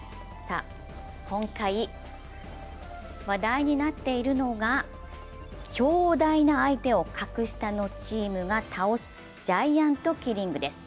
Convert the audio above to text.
今回、話題になっているのが強大な相手を格下のチームが倒すジャイアントキリングです。